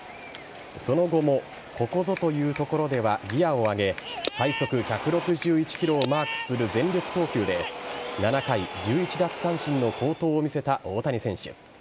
その後もここぞというところではギアを上げ最速１６１キロをマークする全力投球で７回１１奪三振の好投を見せた大谷選手。